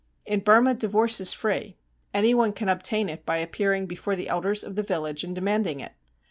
In Burma divorce is free. Anyone can obtain it by appearing before the elders of the village and demanding it.